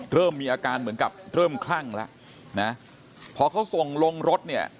เริ่มมีอาการเหมือนกับเริ่มคลั่งแล้วนะพอเขาส่งลงรถเนี่ย